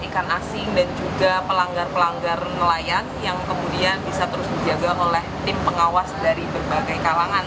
ikan asing dan juga pelanggar pelanggar nelayan yang kemudian bisa terus dijaga oleh tim pengawas dari berbagai kalangan